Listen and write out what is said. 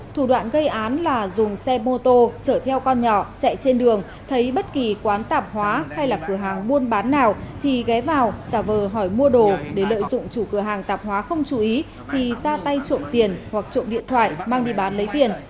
thủ đoạn gây án là dùng xe mô tô chở theo con nhỏ chạy trên đường thấy bất kỳ quán tạp hóa hay là cửa hàng buôn bán nào thì ghé vào giả vờ hỏi mua đồ để lợi dụng chủ cửa hàng tạp hóa không chú ý thì ra tay trộm tiền hoặc trộm điện thoại mang đi bán lấy tiền